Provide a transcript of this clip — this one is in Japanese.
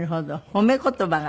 褒め言葉が？